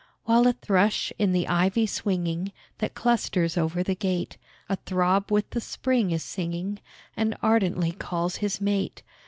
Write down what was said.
While a thrush, in the ivy swinging That clusters over the gate, Athrob with the spring is singing, And ardently calls his mate.